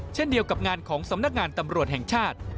เช่นเดียวกับงานของสำนักงานตำรวจแห่งชาติ